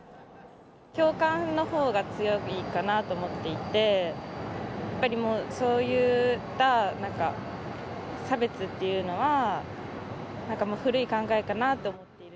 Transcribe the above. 共感のほうが強いかなと思っていて、やっぱり、もう、そういった、なんか、差別っていうのは、もう古い考えかなと思っているので。